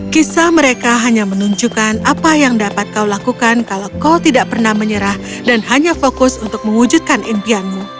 kisah mereka hanya menunjukkan apa yang dapat kau lakukan kalau kau tidak pernah menyerah dan hanya fokus untuk mewujudkan impianmu